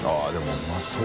うまそう。